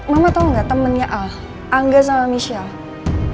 mama tau gak temennya al angga sama michelle